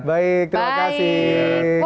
baik terima kasih